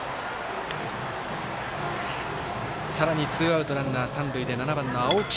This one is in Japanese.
さらに、ツーアウトランナー、三塁で７番の青木。